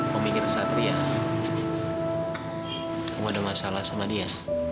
kamu mikir satria kamu ada masalah sama dia